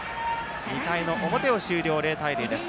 ２回の表を終了して０対０です。